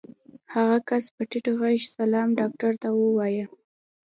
هغه کس په ټيټ غږ سلام ډاکټر صاحب ووايه.